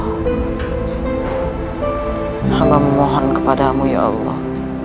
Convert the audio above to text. minta maaf kepadamu ya allah